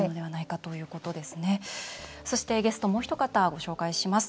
そしてゲストもうひと方ご紹介します。